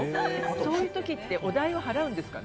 そういう時ってお代は払うんですかね？